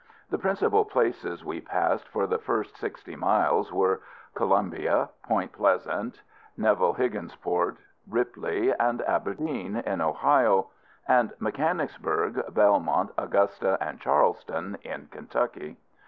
The principal places we passed, for the first sixty miles, were Columbia, Point Pleasant, Neville, Higginsport, Ripley, and Aberdeen, in Ohio; and Mechanicsburg, Belmont, Augusta, and Charleston, in Kentucky.